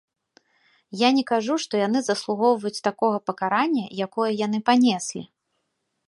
Я не кажу, што яны заслугоўваюць такога пакарання, якое яны панеслі.